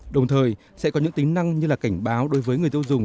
đồng thời sẽ có những tính năng như là cảnh báo đối với người tiêu dùng